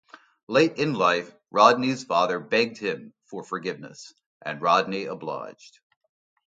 Late in life, Rodney's father begged him for forgiveness, and Rodney obliged.